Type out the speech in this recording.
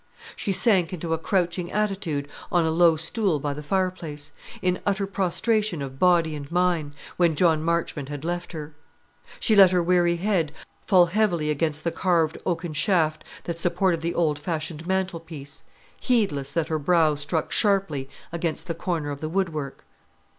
She sank into a crouching attitude on a low stool by the fire place, in utter prostration of body and mind, when John Marchmont had left her. She let her weary head fall heavily against the carved oaken shaft that supported the old fashioned mantel piece, heedless that her brow struck sharply against the corner of the wood work.